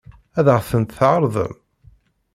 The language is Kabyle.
Ad ɣ-tent-tɛeṛḍem?